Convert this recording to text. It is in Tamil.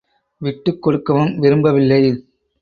விட்டுக் கொடுக்கவும் விரும்பவில்லை.